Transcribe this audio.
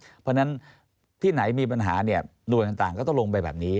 เพราะฉะนั้นที่ไหนมีปัญหาดูต่างก็ต้องลงไปแบบนี้